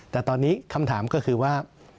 แต่ตอนนี้คำถามก็คือว่า